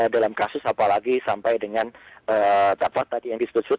dalam kasus apalagi sampai dengan capat tadi yang disebut